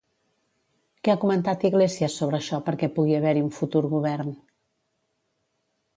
Què ha comentat Iglesias sobre això perquè pugui haver-hi un futur govern?